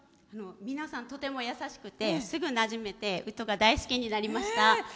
皆さん、とても優しくてすぐなじめて宇土が大好きになりました。